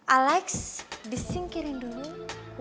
alex disingkirin dulu